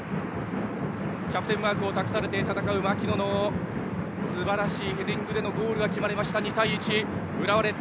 キャプテンマークを託されて戦う槙野のすばらしいヘディングでのゴールが決まり２対１、浦和レッズ